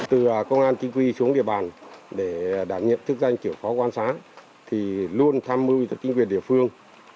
từ công an chính quy xuống địa bàn để đảm nhiệm chức danh chủ phó quan xã thì luôn tham mưu cho chính quyền địa phương